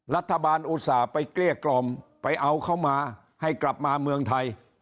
อุตส่าห์ไปเกลี้ยกล่อมไปเอาเขามาให้กลับมาเมืองไทย